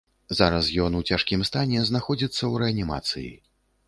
Зараз ён ў цяжкім стане знаходзіцца ў рэанімацыі.